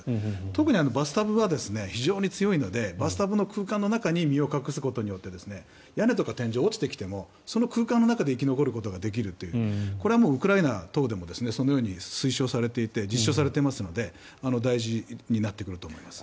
特にバスタブは非常に強いのでバスタブの空間の中に身を隠すことによって屋根とか天井が落ちてきてもその空間の中で生き残ることができるというこれはもうウクライナ等でもそのように推奨されていて実証されていますので大事になってくると思います。